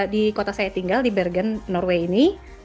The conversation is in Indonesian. di kota saya tinggal di bergen norway ini